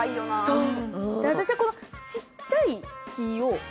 そう